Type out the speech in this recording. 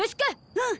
うん。